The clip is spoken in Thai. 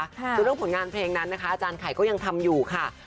คือเรื่องผลงานเพลงนั้นนะคะอาจารย์ไข่ก็ยังทำอยู่ค่ะ